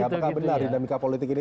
apakah benar dinamika politik ini